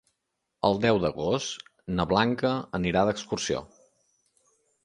El deu d'agost na Blanca anirà d'excursió.